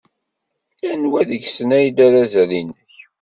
Anwa deg-sen ay d arazal-nnek?